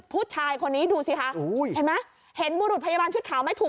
ผู้ชายคนนี้ดูสิคะเห็นไหมเห็นบุรุษพยาบาลชุดขาวไม่ถูก